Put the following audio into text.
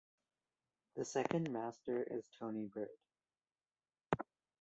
The Second Master is Tony Bird.